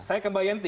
saya ke mbak yanti